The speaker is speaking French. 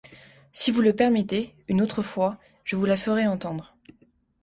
Si vous le permettez, une autre fois, je vous la ferai entendre.